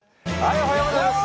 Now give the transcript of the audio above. おはようございます！